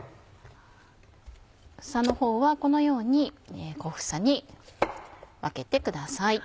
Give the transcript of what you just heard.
房のほうはこのように小房に分けてください。